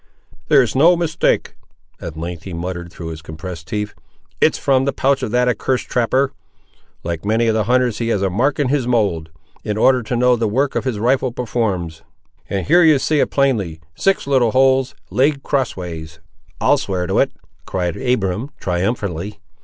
"There's no mistake," at length he muttered through his compressed teeth. "It is from the pouch of that accursed trapper. Like many of the hunters he has a mark in his mould, in order to know the work his rifle performs; and here you see it plainly—six little holes, laid crossways." "I'll swear to it!" cried Abiram, triumphantly.